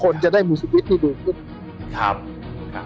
คนจะได้มูลสิทธิ์ที่ดูขึ้น